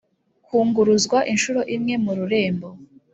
kunguruzwa inshuro imwe mu rurembo